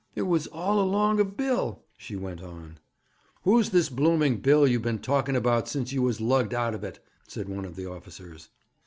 'It was all along of Bill,' she went on. 'Who's this bloomed Bill you've been talking about since you was lugged out of it?' said one of the officers.